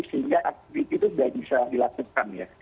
jadi aktivitas itu nggak bisa dilakukan ya